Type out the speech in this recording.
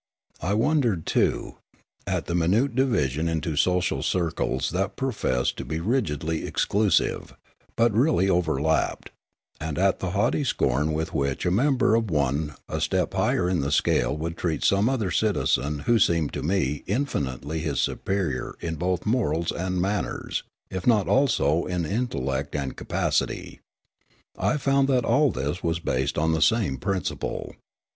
I wondered, too, at the minute division into social circles that professed to be rigidly exclusive, but really overlapped, and at the haughty scorn with which a member of one a step higher in the scale would treat some other citizen who seemed to me infinitely his superior in both morals and manners, if not also in in tellect and capacity. I found that all this was based on the same principle.